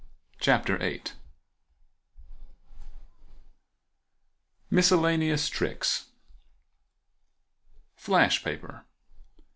CHAPTER VIII MISCELLANEOUS TRICKS Flash Paper.